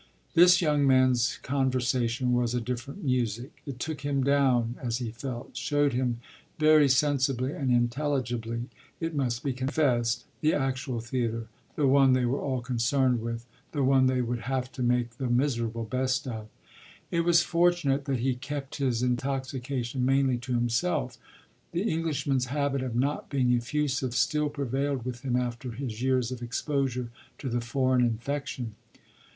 This young man's conversation was a different music it took him down, as he felt; showed him, very sensibly and intelligibly, it must be confessed, the actual theatre, the one they were all concerned with, the one they would have to make the miserable best of. It was fortunate that he kept his intoxication mainly to himself: the Englishman's habit of not being effusive still prevailed with him after his years of exposure to the foreign infection.